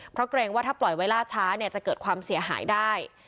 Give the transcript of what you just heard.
เพราะเกรงว่าถ้าปล่อยไว้ล่าช้าเนี่ยจะเกิดความเสียหายได้